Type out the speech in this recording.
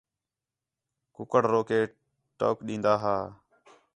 کُکڑ روکے ٹوک ݙین٘دا ہا